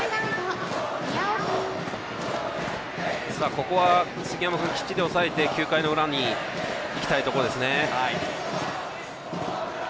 ここは杉山君きっちり抑えて９回の裏にいきたいところですね。